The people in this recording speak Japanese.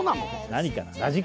何かな？